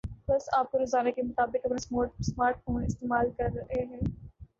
پس آپ کو روزانہ کے مطابق اپنا سمارٹ فون استعمال کر ہے